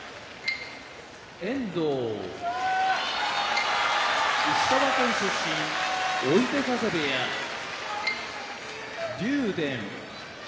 遠藤石川県出身追手風部屋竜電